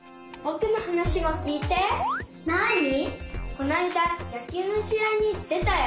このあいだやきゅうのしあいにでたよ。